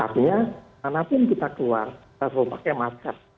artinya mana pun kita keluar kita harus pakai masker